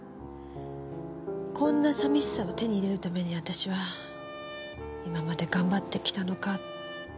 こんな寂しさを手に入れるために私は今まで頑張ってきたのか。